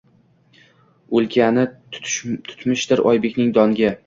O’lkani tutmishdir Oybekning dongi